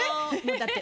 だって。